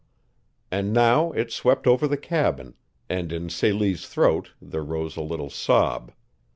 And now it swept over the cabin, and in Celie's throat there rose a little sob.